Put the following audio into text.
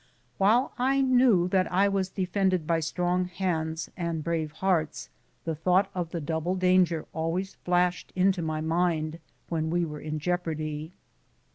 While I knew that I was defended by strong hands and brave hearts, the thought of the double danger always flashed into my mind when we were in jeopardy.